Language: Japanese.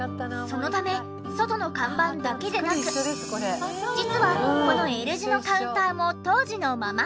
そのため外の看板だけでなく実はこのＬ字のカウンターも当時のまま。